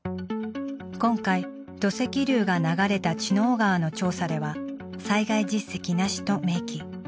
今回土石流が流れた千ノ尾川の調査では「災害実績なし」と明記。